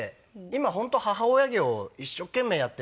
今本当母親業を一生懸命やっていて。